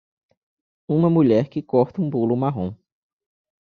Uma mulher que corta um bolo marrom.